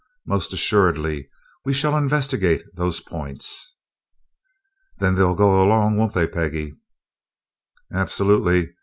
Most assuredly we shall investigate those points." "Then they'll go alone, won't they, Peggy?" "Absolutely!